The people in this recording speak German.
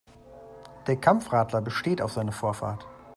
Der Kampfradler besteht auf seine Vorfahrt.